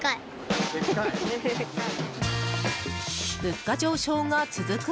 物価上昇が続く